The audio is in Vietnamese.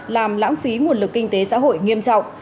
làm lãng phí nguồn lực kinh tế xã hội nghiêm trọng